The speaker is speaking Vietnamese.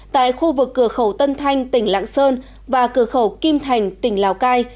tại khu vực cửa khẩu tân thanh tỉnh lạng sơn và cửa khẩu kim thành tỉnh lào cai